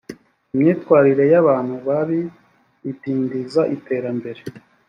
imyitwarire y’abantu babi idindiza iterambere